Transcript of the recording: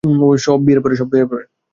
সব বিয়ের পরে।